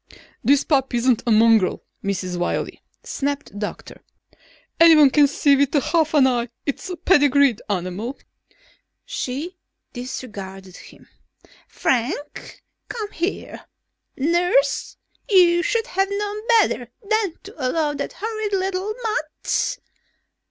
"This pup isn't a mongrel, Mrs. Wiley," snapped the doctor. "Anyone can see with half an eye it's a pedigreed animal." She disregarded him. "Frank! Come here! Nurse, you should have known better than to allow that horrid little mutt...."